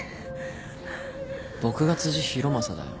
僕が辻浩増だよ。